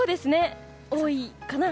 多いかな。